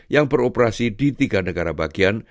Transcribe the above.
yang beroperasi di tiga negara bagian